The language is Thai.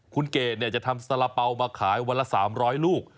คุณเกดจะทำสาระเป๋ามาขายวันละ๓๐๐ลูก